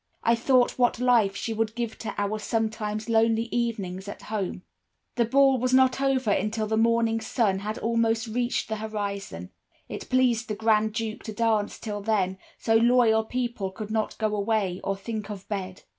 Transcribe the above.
I thought what life she would give to our sometimes lonely evenings at home. "This ball was not over until the morning sun had almost reached the horizon. It pleased the Grand Duke to dance till then, so loyal people could not go away, or think of bed.